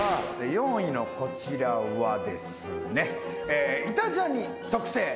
４位のこちらはですね。